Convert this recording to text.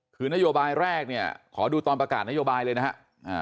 คือนโยบายแรกเนี่ยขอดูตอนประกาศนโยบายเลยนะครับ